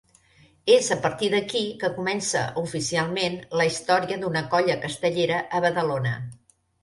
És a partir d'aquí que comença oficialment la història d'una colla castellera a Badalona.